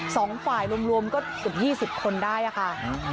สองฝ่ายรวมก็อยู่กับ๒๐คนได้ค่ะ